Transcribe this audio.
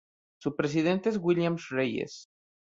Su presidente es Williams Reyes.